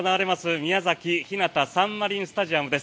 宮崎ひなたサンマリンスタジアムです。